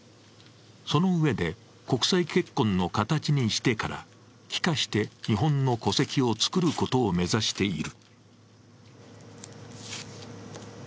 そのうえで国際結婚の形にしてから帰化して日本の戸籍を作ることを目指している。